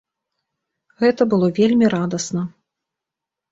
Гэта было вельмі радасна.